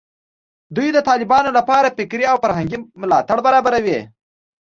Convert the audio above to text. دوی د طالبانو لپاره فکري او فرهنګي ملاتړ برابروي